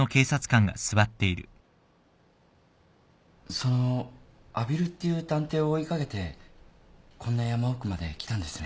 その阿比留っていう探偵を追い掛けてこんな山奥まで来たんですね？